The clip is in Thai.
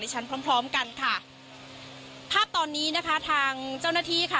ชั้นพร้อมพร้อมกันค่ะภาพตอนนี้นะคะทางเจ้าหน้าที่ค่ะ